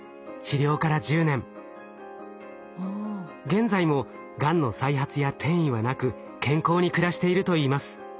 現在もがんの再発や転移はなく健康に暮らしているといいます。